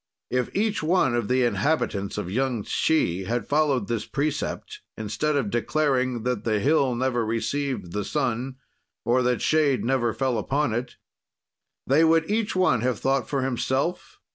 If each one of the inhabitants of Yung Tshi had followed this precept, instead of declaring that the hill never received the sun or that shade never fell upon it, they would each one have thought for himself.